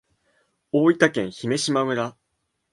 大分県姫島村